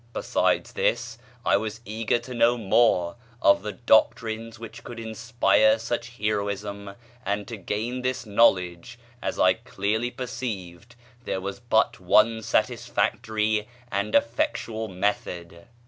Besides this, I was eager to know more of the doctrines which could inspire such heroism, and to gain this knowledge, as I clearly perceived, there was but one satisfactory and effectual method.